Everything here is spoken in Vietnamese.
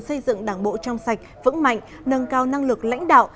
xây dựng đảng bộ trong sạch vững mạnh nâng cao năng lực lãnh đạo